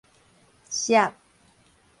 澀